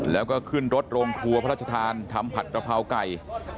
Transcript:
แล้วก็ขึ้นรถโรงครัวพระราชทานทำผัดกระเพราไก่